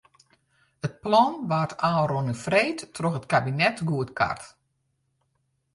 It plan waard ôfrûne freed troch it kabinet goedkard.